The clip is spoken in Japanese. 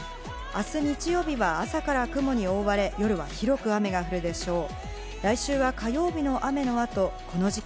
明日、日曜日は朝から雲に覆われ、夜は広く雨が降るでしょう。